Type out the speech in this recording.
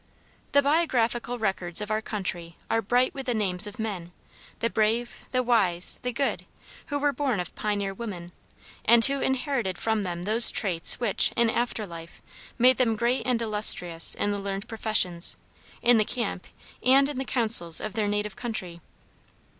The biographical records of our country are bright with the names of men the brave, the wise, the good who were born of pioneer women, and who inherited from them those traits which, in after life, made them great and illustrious in the learned professions, in the camp, and in the councils of their native country.